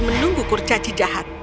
menunggu kurcaci jahat